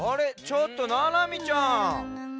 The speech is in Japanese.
ちょっとななみちゃん。